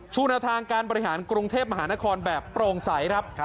ทางการบริหารกรุงเทพมหานครแบบโปร่งใสครับ